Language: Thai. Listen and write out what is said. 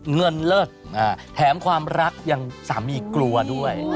เลิศแถมความรักยังสามีกลัวด้วย